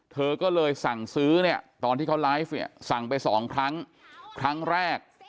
เธอก็เลยสั่งซื้อเนี่ยตอนที่เขาไลฟ์เนี่ยสั่งไปสองครั้งครั้งแรก